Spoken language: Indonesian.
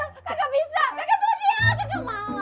gak bisa dia